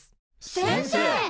先生！